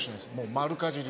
丸かじり。